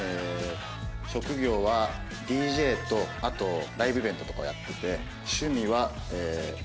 職業はＤＪとあとライブイベントとかをやっていて。